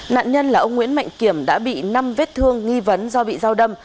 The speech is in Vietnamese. nạn nhân là ông nguyễn mạnh kiểm đã bị năm vết thương nghi vấn do bị dao đâm